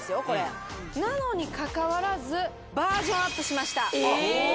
これなのにかかわらずバージョンアップしましたえっ